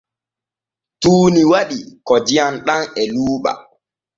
Tuuni waɗi ko diyam ɗam e luuɓa.